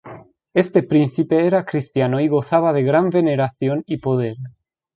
Este príncipe era cristiano y gozaba de gran veneración y poder.